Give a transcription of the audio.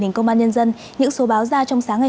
bệnh tật để dự phòng điều trị